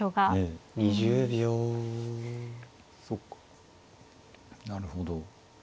そっかなるほど。